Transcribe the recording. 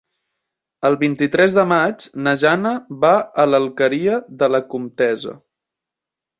El vint-i-tres de maig na Jana va a l'Alqueria de la Comtessa.